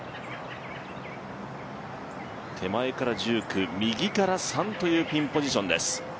手前から１９、右から３というピンポジションです。